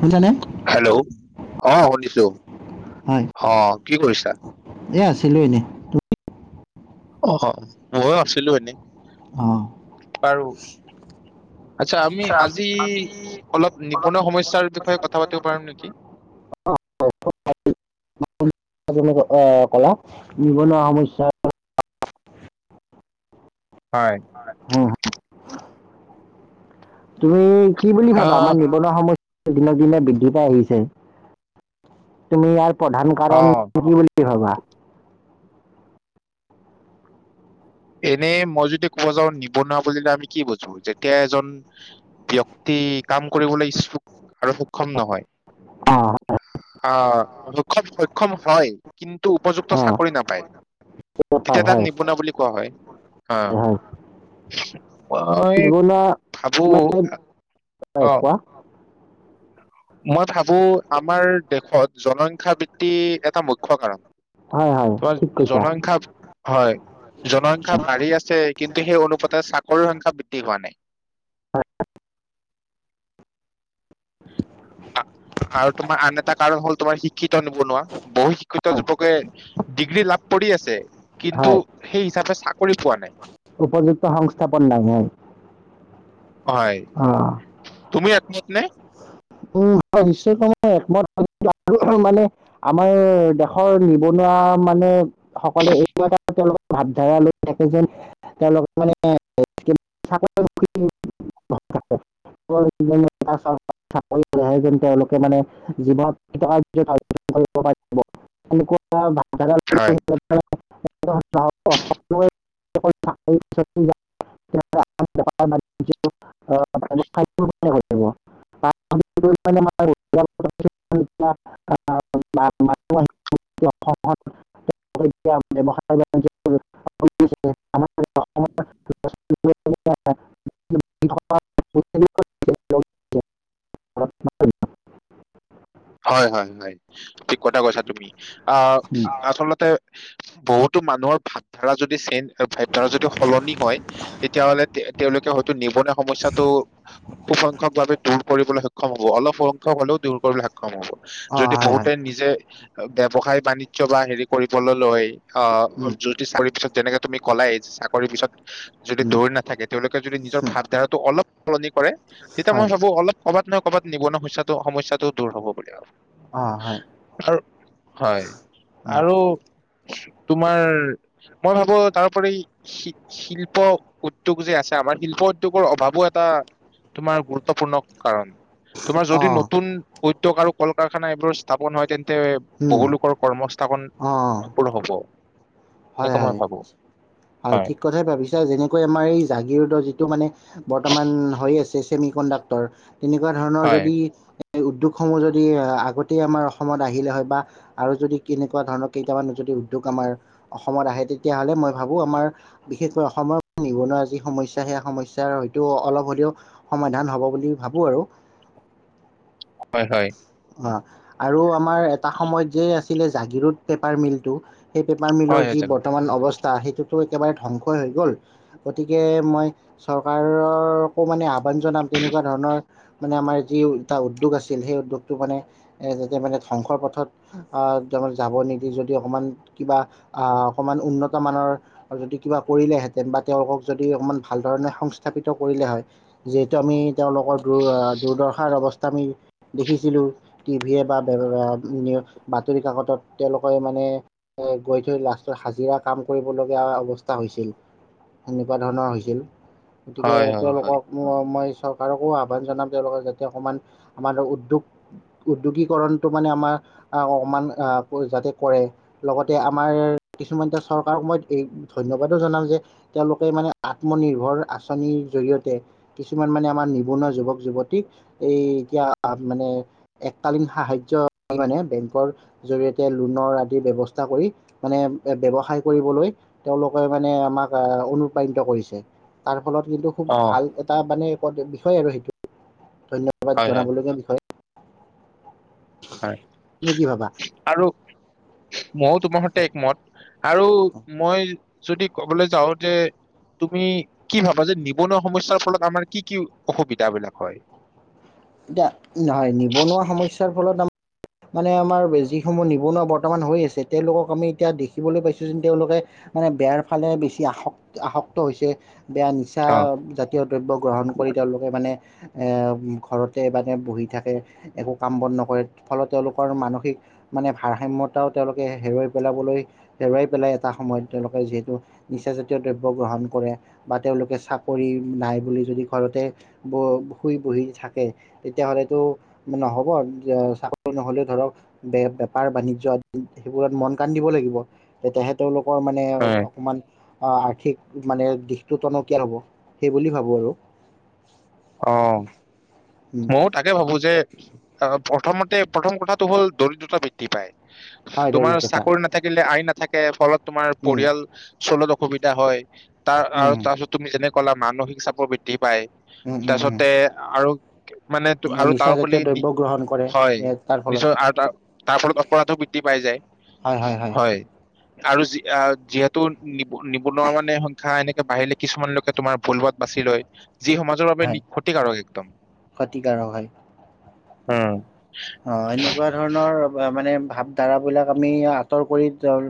শুনিছানে? হেল্লৌ' অঁ' শুনিছো, হয় অঁ' কি কৰিছা? এ, আছিলো এনেই। অহ, ময়ো আছিলো এনেই। অঁ'। [inaudible] আৎচ্ছা আমি আজি অলপ নিবনুৱা সমস্যাৰ বিষয়ে কথা পাতিব পাৰিম নেকি? [unintelligible] অঁ কলা, নিবনুৱা সমস্যা। হয়। হুঁ, তুমি কি বুলি ভাবা আহ আমাৰ নি- নিবনুৱা সমস্যা দিনক দিনে বৃদ্ধি পাই আহিছে, তুমি ইয়াৰ- প্ৰধান অ কাৰণ কি বুলি ভাবা? এনেই মই যদি কব যাওঁ নিবনুৱা বুলিলে আমি কি বুজো? যেতিয়া এজন ব্যক্তি কাম কৰিবলৈ ইচ্ছুক আৰু সুক্ষম নহয়। অঁ অ' সক্ষম সক্ষম হয়। কিন্তু উপযুক্ত অঁ চাকৰি নাপায় তেতিয়া তাক হয় নিবনুৱা বুলি কোৱা হয়। অ'! হয় হয় মই নিবনুৱা ভাবো, মানে হয়, অ'। কোৱা মই ভাবো আমাৰ দেশত জনসংখ্যা বৃদ্ধি এটা মুখ্য কাৰণ। হয় হয় তোমাৰ ঠিক কৈছা জনসংখ্যা হয় জনসংখ্যা বাঢ়ি আছে। কিন্তু সেই অনুপাতে চাকৰিৰ সংখ্যা বৃদ্ধি হোৱা নাই। আৰু তোমাৰ আন এটা কাৰণ হল, তোমাৰ শিক্ষিত নিবনুৱা বহু শিক্ষিত যুৱকে ডিগ্ৰী লাভ কৰি আছে কিন্তু হয় সেই হিচাপে চাকৰি পোৱা নাই। উপযুক্ত সংস্থাপন নাই অ'। হয় তুমি একমত নে? উম, [inaudible] আমাৰ দেশৰ নিবনুৱা মানে [inaudible] তেওঁলোকে ভাৱধাৰা লৈ থাকে যেন। তাৰ লগত মানে [inaudible] [inaudible] [inaudible] হয় [inaudible] [inaudible] শেষ হয় যাব। [inaudible] গোটেই অসমত অসমত এতিয়া ব্যৱসায়-বাণিজ্য [inaudible] [inaudible] [inaudible] হয় হয় হয়, ঠিক কথা কৈছা তুমি। উম, আচলতে বহুতো মানুহৰ ভাৱধাৰা যদি চেন্ব ভাৱধাৰা যদি সলনি হয়। তেতিয়াহ'লে তেওঁলোকে হয়তো নিবনুৱা সমস্যাটো খুব সংখ্যকভাৱে দূৰ কৰিবলৈ সক্ষম হব অলপ হলেও দূৰ কৰিবলৈ সক্ষম হব, অ যদি হয় বহুতে হয় নিজে ব্যৱসায় বাণিজ্য বা হেৰি কৰিবলৈ লয়। অ' উম যদি চাকৰিৰ পিছত যেনেকে তুমি কলাই চাকৰিৰ পিছত যদি উম দৌৰি নাথাকে, তেওঁলোকে যদি নিজৰ উম, ভাৱধাৰাটো অলপ সলনি কৰে তেতিয়া মই হয় ভাবো অলপ ক'বাত নহয় ক'বাত নিবনূৱা কৰে সমস্যাটো দূৰ হ'ব বুলি আৰু। অ হয় আৰু হয় উম, আৰু তোমাৰ মই ভাবো তাৰ উপৰি শিল্প উদ্যোগ যে আছে আমাৰ শিল্প উদ্যোগৰ অভাৱো এটা তোমাৰ গুৰুত্বপূৰ্ণ কাৰণ। তোমাৰ অ যদি নতুন উদ্যোগ আৰু কল-কাৰখানা এইবোৰ স্থাপন হয় তেন্তে উম, বহুলোকৰ কৰ্মস্থাপন অ সফল হব। হয় এনেকে মই হয় ভাবো হয়, ঠিক কথাই ভাবিছ যেনেকৈ আমাৰ এই জাগীৰোড যিটো মানে বৰ্তমান হৈ আছে ছেমি কণ্ডাক্টৰ তেনেকুৱা ধৰণৰ হয় যদি এ উদ্যোগসমূহ যদি এ আগতে আমাৰ অসমত আহিলে হয় বা আৰু যদি কেনেকুৱা ধৰণৰ কেইটামান যদি উদ্যোগ আমাৰ অসমত আহে তেতিয়াহলে মই ভাবো আমাৰ বিশেষকৈ অসমৰ নিবনুৱা যি সমস্যা সেই সমস্যাৰ হয়তো অ অলপ হলেও সমাধান হব বুলি ভাবো আৰু। হয় হয়। অ আৰু আমাৰ এটা সময়ত যে আছিলে জাগীৰোডৰ পেপাৰ মিলটো। সেই পেপাৰ হয় মিলৰ হয় যি জানো বৰ্তমান অৱস্থা সেইটোতো একেবাৰে ধ্বংসই হৈ গ'ল। গতিকে মই চৰকাৰকো মানে আহ্বান জনাম তেনেকুৱা ধৰণৰ মানে আমাৰ যি এটা উদ্যোগ আছিল সেই উদ্যোগটো মানে এ যাতে মানে ধ্বংসৰ পথত আহ তেওঁ যাব নিদি যদি অকমান কিবা আহ অকমান উন্নত মানৰ আৰু যদি কিবা কৰিলেহেঁতেন বা তেওঁলোকক যদি অকমান ভাল ধৰণে সংস্থাপিত কৰিলে হয় যিহেতু আমি তেওঁলোকৰ দুৰ আ দূৰ দৰ্শাৰ অৱস্থা আমি দেখিছিলোঁ, টিভিয়ে বা [unintelligible] বাতৰি কাকতত তেওঁলোকে মানে এ গৈ সি লাষ্টত হাজিৰা কাম কৰিবলগীয়া অৱস্থা হৈছিল, সেনেকুৱা ধৰণৰ হৈছিল। গতিকে হয় হয় হয় তেওঁলোকক ম মই চৰকাৰকো আহ্বান জনাম তেওঁলোকে যাতে অকমান আমাৰ উদ্যোগ উদ্যোগীকৰণটো মানে আমাৰ আহ অকমান আহ ক যাতে কৰে লগতে আ মাৰ কিছুমান এতিয়া চৰকাৰৰ সময়ত এই ধন্যবাদো জনাম যে তেওঁলোকে মানে আত্মনিৰ্ভৰ আঁচনিৰ জৰিয়তে কিছুমান মানে আমাৰ নিবনুৱা যুৱক যুৱতীক এই এতিয়া মানে এককালীন সাহাৰ্য্য [unintelligible] বেংকৰ জৰিয়তে লোনৰ আদিৰ ব্যৱস্থা কৰি মানে ব্যৱসায় কৰিবলৈ তেওঁলোকে মানে আমাক আহ অনুপ্ৰাণিত কৰিছে। তাৰ ফলত কিন্তু খুব অ ভাল এটা মানে [unintelligible] বিষয় আৰু সেইটো ধন্যবাদ হয় হয় জনাবলগীয়া বিষয়। হয় তুমি কি ভাবা? আৰু মইও তোমাৰ সৈতে একমত আৰু মই যদি কবলে যাও যে তুমি কি ভাবা যে নিবনুৱা সমস্যাৰ ফলত আমাৰ কি কি অসুবিধাবিলাক হয়? এতিয়া নহয় নিবনুৱা সমস্যাৰ ফলত আম মানে আমাৰ বে যিসমূহ নিবনুৱা বৰ্তমান হৈ আছে তেওঁলোকক আমি এতিয়া দেখিবলৈ পাইছো যেন তেওঁলোকে মানে বেয়াৰ ফালে বেছি আসক আসক্ত হৈছে, বেয়া নিচ অ [unintelligible] জাতীয় দ্ৰব্য গ্ৰহণ কৰি তেওঁলোকে মানে এ ঘৰত তে মানে বহি থাকে, একো কাম বন নকৰে ফলত তেওঁলোকৰ মানসিক মানে ভাৰসাম্যতাও তেওঁলোকে হেৰুৱাই পেলাবলৈ হেৰুৱাই পেলাই এটা সময়ত তেওঁলোকে যিহেতু নিচা জাতীয় দ্ৰব্য গ্ৰহণ কৰে। বা তেওঁলোকে চাকৰি নাই বুলি যদি ঘৰতে ব শুই বহি থাক তে তেতিয়াহ'লেতো নহ'ব যে চাকৰি নহলেও ধৰক বে বেপাৰ বাণিজ্য আদি সেইবোৰত মন কান দিব লাগিব। তেতিয়াহে তেওঁলোকৰ মানে হয় অকণমান অ', আৰ্থিক মানে দিশটো টনকিয়াল হ'ব সেই বুলি ভাবো আৰু। অ', উম মোৰ তা কে ভাবো যে অ প্ৰথমতে প্ৰথম কথাটো হ'ল দৰিদ্ৰতা বৃদ্ধি পায়। হয় তোমাৰ দৰিদ্ৰতা চাকৰি নাথাকিলে, আই নাথাকে ফলত তোমাৰ উম পৰিয়াল চলত অসুবিধা হয়। তাৰ আৰু উম তাৰপিছত তুমি যেনেকা কলা মানসিক চাপৰ বৃদ্ধি পায়। উম তাৰ উম পিছতে আৰু মানে তো উম। আৰু তাৰ নিচাজাতীয় ওপৰতে দ্ৰব্য গ্ৰহণ কৰে হয় তাৰ ফলত নিশ্চয় আৰু তাৰ, তাৰ ফলত অপৰাধো বৃদ্ধি পাই যায়। হয় হয় হয়। আৰু যি-যিহেতু নি-নিবনুৱা মানে সংখ্যা এনেকে বাহিলে কিছুমানলৈকে তোমাৰ ভুলবাত বাছি লৈ যি সমাজৰ বাবে হয় ক্ষতিকাৰক একদম। ক্ষতিকাৰক উম। অ', এনেকুৱা ধৰণৰ মানে ভাৱ ধাৰা বিলাক আমি আঁতৰ কৰি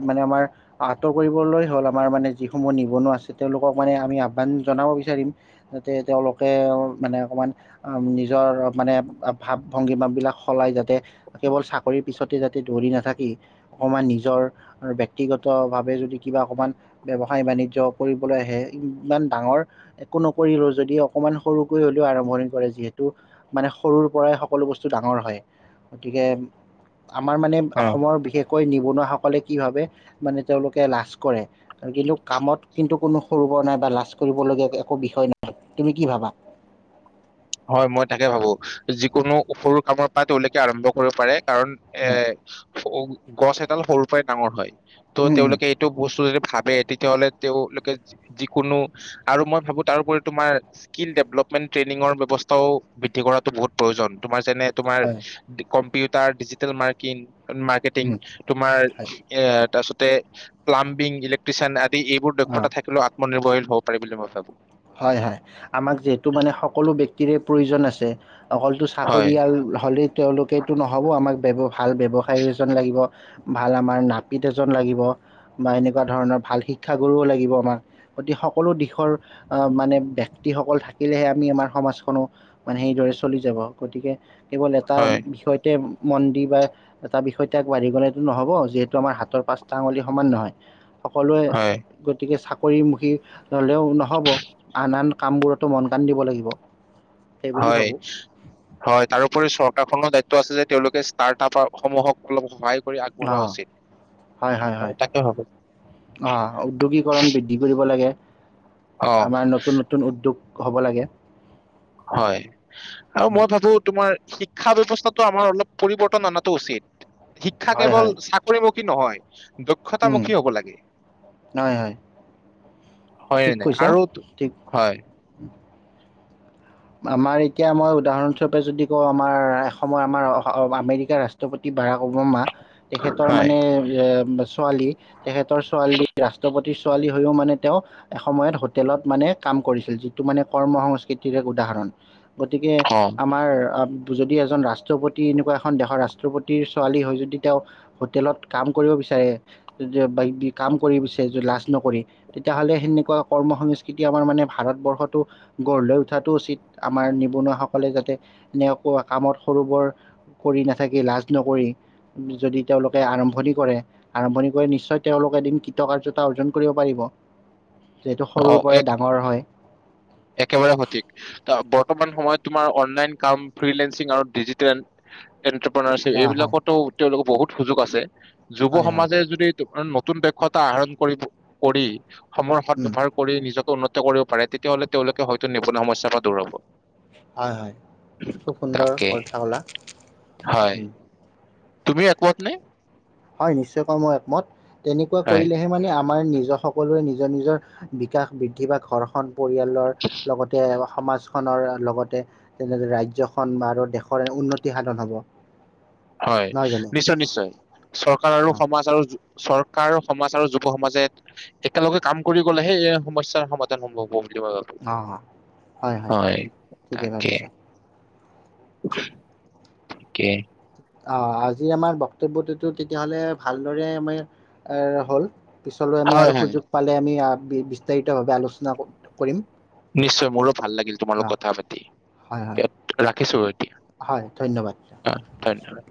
মানে আমাৰ আঁতৰ কৰিবলৈ হ'ল আমাৰ মানে যিসমূহ নিবনুৱা আছে তেওঁলোকক মানে আমি আহ্বান জনাব বিচাৰিম। তাতে তেওঁলোকে মানে অকমান নিজৰ মানে ভাৱ ভংগী বিলাক সলাই যাতে কেৱল চাকৰি পিছতে যাতে দৌৰি নাথাকি অকমান নিজৰ ব্যক্তিগত ভাৱে যদি কিবা অকমান ব্যৱসায় বাণিজ্য কৰিবলৈ আহে, ইমান ডাঙৰ একো নকৰিলেও যদি অকমান সৰুকৈ হলেও আৰম্ভণি কৰে যিহেতু মানে সৰুৰ পৰাই সকলো বস্তু ডাঙৰ হয়। গতিকে আমাৰ মানে অ অসমৰ বিশেষ কৈ নিবনুৱাসকলে কি ভাবে মানে তেওঁলোকে লাজ কৰে। আৰু কিন্তু কামত কিন্তু কোনো সৰু বৰ নাই বা লাজ কৰিবলগীয়া একো বিষয় নাই, তুমি কি ভাবা? হয় মই তাকে ভাবো। যিকোনো সৰু কামৰ পৰা [unintelligible] আৰম্ভ কৰিব পাৰে কাৰণ এ, উম গছ এডাল সৰুৰ পৰাই ডাঙৰ হয় ত' উম উম তেওঁলোকে টো বস্তু যদি ভাবে তেতিয়াহ'লে তেওঁলোকে যিকোনো আৰু মই ভাবো তাৰোপৰি স্কিল ডেভলপমেণ্ট ট্ৰেইনিঙৰ ব্যৱস্থাও বৃদ্ধি কৰাতো বহুত প্ৰয়োজন। তোমাৰ যেনে তোমাৰ হয় computer, digital marking, marketing um তোমাৰ হয় এ তাৰপিছতে প্লাম্বিং, ইলেক্ট্ৰিচিয়ান আদি এইবোৰ অ দক্ষতা থাকিলেও মই নিৰ্ভৰশীল হব পাৰে বুলি মই ভাবো। হয়, হয়। আমাক যিহেতু মানে সকলো বক্তিৰে প্ৰয়োজন আছে। অকলটো চাকৰি হয় আৰু হ'লেই তেওঁলোকেতো নহ'ব, আমাক ব্যৱ ভাল ব্যৱসায় এজন লাগিব। ভাল আমাৰ নাপিত এজন লাগিব। বা এনেকুৱা ধৰণৰ ভাল শিক্ষা গুৰুও লাগিব আমাক। গতিকে সকলো দিশৰ মানে ব্যক্তিসকল থাকিলেহে আমি আমাৰ সমাজখনো মানে সেইদৰে চলি যাব। গতিকে কেৱল এটা হয় বিষয়তে মন দি বা এটা বিষয়তে আগবাঢ়ি গ'লেটো নহব, যিহেতু আমাৰ হাতৰ পাঁচটা আঙুলি সমান নহয়। সকলোৱে হয় গতিকে চাকৰি মুখি হ'লেও ন'হব। আন আন কামবোৰতো মন কাণ দিব লাগিব। সেইবুলি হয়, ভাবোঁ হয় তাৰোপৰি চৰকাৰখনৰ দায়িত্ব আছে যে তেওঁলোকে ষ্টাৰ্ট আপ সমূহক অলপ সহায় কৰি আগবঢ়োৱা অঁ উচিত, তাকে ভাবো। অ', উদ্যোগীকৰণ বৃদ্ধি কৰিব লাগে, অ', আমাৰ নতুন নতুন নতুন উদ্যোগ হ'ব লাগে। হয়। আৰু উম, মই ভাবো তোমাৰ শিক্ষা ব্যয়ৱস্থাতো আমাৰ অলপ পৰিৱৰ্তন অনাটো উচিত। শিক্ষা হয় কেৱল হয় কৰিমুখী নহয়। [unintelligible] উম, ক্ষতামুখি হব লাগে। হয় হয় হয় ঠিক নে নাই? কৈছা আৰু ঠিক হয়। আমাৰ এতিয়া মই উদাহৰণস্বৰূপে যদি কওঁ, আমাৰ এ অসমৰ আমাৰ আমেৰিকা ৰাষ্ট্ৰ ৰাষ্ট্ৰপতি বাৰাক ওবামা তেখেতৰ হয়, মানে এ ছোৱালী, তেখেতৰ ছোৱালী ৰাষ্ট্ৰপতিৰ ছোৱালী হৈও মানে তেওঁ এসময়ত হোটেলত মানে কাম কৰিছিল, যিটো মানে কৰ্ম সংস্কৃতিৰে উদাহৰণ গতিকে অ', আমাৰ আ যদি এজন ৰাষ্ট্ৰপতি এনেকুৱা এখন দেশৰ ৰাষ্ট্ৰপতিৰ ছোৱালী হয় যদি তেওঁ হোটেলত কাম কৰিব বিচাৰে কাম কৰিব বিচাৰে যে লাজ নকৰি তেতিয়াহ'লে সেনেকুৱা কৰ্ম সংস্কৃতি আমাৰ মানে ভাৰতবৰ্ষতটো গঢ় লৈ উঠাত সেইটো উচিত, আমাৰ নিবনুৱাসকলে যাতে এনেকুৱা কামত সৰু বৰ কৰি নাথাকি লাজ নকৰি যদি তেওঁলোকে আৰম্ভণি কৰে আৰম্ভণি কৰি নিশ্চয় তেওঁলোক এদিন কৃতকাৰ্যতা অৰ্জন কৰিব পাৰিব। যিহেতু সৰুৰ অ', পৰাই এক ডাঙৰ হয়। একেবাৰে সঠিক। বৰ্তমান সময়ত তোমাৰ অনলাইন কাম, ফ্ৰিলেসিং আৰু ডিজিটেল এণ্টাৰপ্ৰনাৰশ্বিপ, হয় এইবিলাকতো তেওঁলোকৰ বহুত সুযোগ আছে। যুৱ হয় হয় সমাজে যদি [unintelligible] নতুন দক্ষতা আহৰণ কৰি কৰি সময়ৰ সৎ উম ব্যৱহাৰ কৰি নিজকে উন্নত কৰিব পাৰে তেতিয়াহ'লে তেওঁলোকে হয়তো নিবনুৱা সমস্যাৰ পৰা দূৰ হ'ব। হয়, হয় খুব সুন্দৰ তাকে কথা কলা হয় উম তুমি একমত নে হয় নিশ্চয় কৈ মই একমত তেনেকুৱা হয় কৰিলে সেই মানে আমাৰ নিজৰ সকলোৰে নিজৰ নিজৰ বিকাশ বৃদ্ধি বা ঘৰখন পৰিয়ালৰ লগতে সমাজখনৰ লগতে তেনে দৰে ৰাজ্যখন আৰু দেশৰ উন্নতি সাধন হব। হয় নহয় জানো নিশ্চয় নিশ্চয় চৰকাৰ আৰু অ সমাজ আৰু চৰকাৰ আৰু সমাজ আৰু যুৱ সমাজে একেলগে কাম কৰি গ'লেহে এই সমস্যাৰ সমাধান সম্ভৱ হ'ব বুলি মই ভাবো। অ, অ, হয় হয় ঠিকে ভাবিছা। কি অ' আজিৰ আমাৰ বক্তব্যটোতো তেতিয়াহ'লে ভালদৰে আমি এ হ'ল। পিছলৈ আমি হয় আৰু হয় সুযোগ পালে আমি বিস্তাৰিতভাৱে আলোচনা কৰিম। নিশ্চয় মোৰো ভাল লাগিল তোমাৰ অ লগত কথা পাতি, হয় হয় ৰাখিছো এতিয়া। হয় ধন্যবাদ। হয় ধন্যবাদ।